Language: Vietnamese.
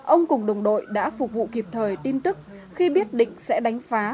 ông cùng đồng đội đã phục vụ kịp thời tin tức khi biết định sẽ đánh phá